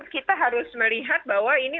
kita harus melihat bahwa ini